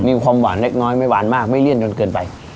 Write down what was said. มีความหวานเล็กน้อยไม่หวานมากไม่เลี่ยนจนเกินไป